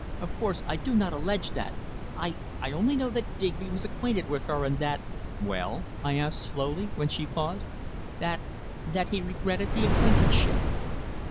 Of course, I do not allege that. I I only know that Digby was acquainted with her, and that " "Well?" I asked slowly, when she paused. "That that he regretted the acquaintanceship."